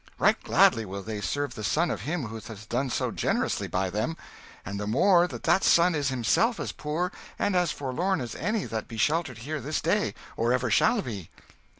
Right gladly will they serve the son of him who hath done so generously by them and the more that that son is himself as poor and as forlorn as any that be sheltered here this day, or ever shall be."